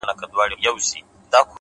مینه چي مو وڅاڅي له ټولو اندامو!!